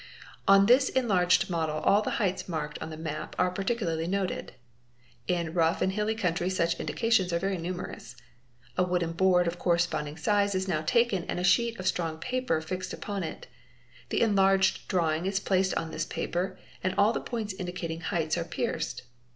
On this enlarged model all the heights marked on the map are particularly noted. In rough and hilly country such indications are very numerous. A wooden board of corresponding size is now taken and a sheet of strong paper fixed upon it. The enlarged drawing is placed on this paper and all the points ; indicating heights are pierced.